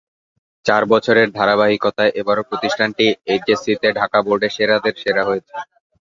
চার বছরের ধারাবাহিকতায় এবারও প্রতিষ্ঠানটি এইচএসসিতে ঢাকা বোর্ডে সেরাদের সেরা হয়েছে।